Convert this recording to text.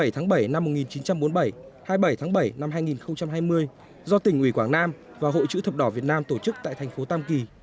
hai mươi tháng bảy năm một nghìn chín trăm bốn mươi bảy hai mươi bảy tháng bảy năm hai nghìn hai mươi do tỉnh ủy quảng nam và hội chữ thập đỏ việt nam tổ chức tại thành phố tam kỳ